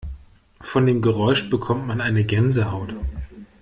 Von dem Geräusch bekommt man eine Gänsehaut.